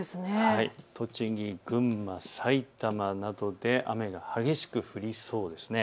栃木、群馬、埼玉などで雨が激しく降りそうです。